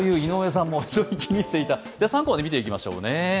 では、３コマで見ていきましょう。